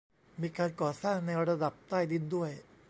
มีการก่อสร้างในระดับใต้ดินด้วย